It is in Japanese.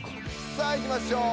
さあいきましょう。